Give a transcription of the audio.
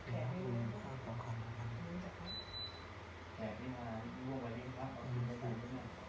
อ๋อครับครับครับครับครับครับครับครับครับครับ